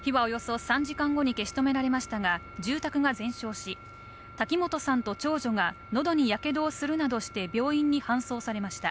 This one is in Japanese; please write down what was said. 火はおよそ３時間後に消し止められましたが、住宅が全焼し、滝本さんと長女がのどに火傷をするなどして病院に搬送されました。